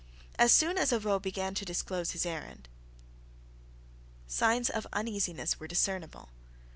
As soon as Avaux began to disclose his errand, signs of uneasiness were discernible.